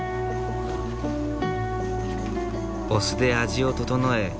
お酢で味を調え